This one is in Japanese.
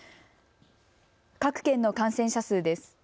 各県の感染者数です。